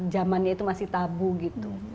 zamannya itu masih tabu gitu